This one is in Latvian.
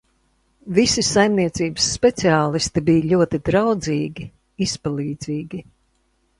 Visi saimniecības speciālisti bija ļoti draudzīgi, izpalīdzīgi.